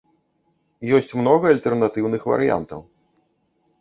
Ёсць многа альтэрнатыўных варыянтаў.